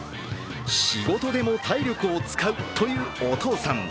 仕事でも体力を使うというお父さん。